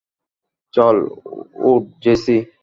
চল ওঠ জেসি!